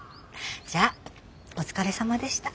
じゃあお疲れさまでした。